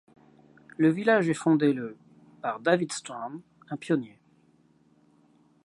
Le village est fondé le par David Strawn, un pionnier.